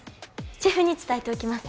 シェフに伝えておきます